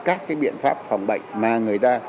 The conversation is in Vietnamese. các cái biện pháp phòng bệnh mà người ta